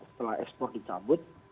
setelah ekspor dicabut